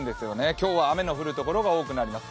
今日は雨の降るところが多くなります。